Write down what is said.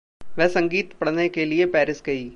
वह संगीत पढ़ने के लिए पैरिस गई।